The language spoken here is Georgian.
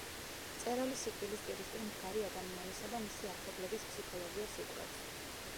მწერალი სიკვდილის პირისპირ მდგარი ადამიანისა და მისი ახლობლების ფსიქოლოგიას იკვლევს.